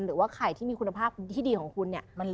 หรือว่าไข่ที่มีคุณภาพที่ดีของคุณเนี่ย